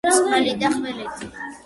წყალი და ხმელეთი